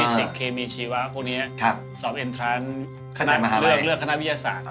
ศึกเคมีชีวะพวกนี้สอบเอ็นทรัมคณะเลือกคณะวิทยาศาสตร์